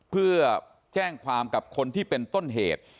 เพื่อแจ้งความกับคนที่เป็นต้นเหตุ